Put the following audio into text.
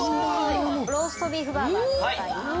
ローストビーフバーガーでございます。